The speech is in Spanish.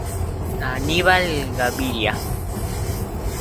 Aníbal Gaviria.